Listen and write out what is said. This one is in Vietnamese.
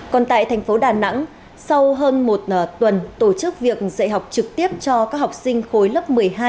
còn tại thành phố đà nẵng sau hơn một tuần tổ chức việc dạy học trực tiếp cho các học sinh khối lớp một mươi hai